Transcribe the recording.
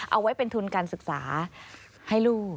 เอาไว้เป็นทุนการศึกษาให้ลูก